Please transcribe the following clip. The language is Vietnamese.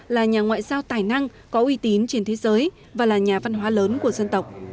là nhà ngoại giao tài năng có uy tín trên thế giới và là nhà văn hóa lớn của dân tộc